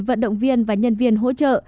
vận động viên và nhân viên hỗ trợ